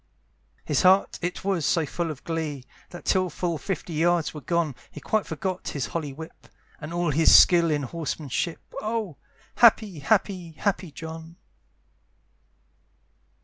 His heart it was so full of glee, That till full fifty yards were gone, He quite forgot his holly whip, And all his skill in horsemanship, Oh! happy, happy, happy John.